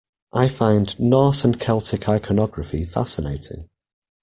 I find Norse and Celtic iconography fascinating.